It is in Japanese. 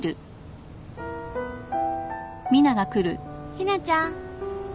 ひなちゃん。